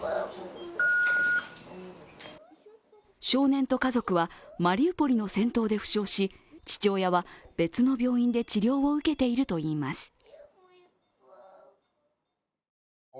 少年と家族はマリウポリの戦闘で負傷し父親は別の病院で治療を受けているといいます。